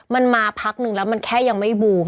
มันมาพักนึงแล้วมันแค่ยังไม่บูม